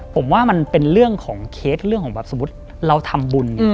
ผมว่ามันเป็นเรื่องของเคสเรื่องของแบบสมมุติเราทำบุญ